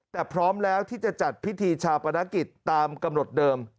แต่พร้อมแล้วที่จะจัดพิธีชาปนกิจตามกำหนดเดิม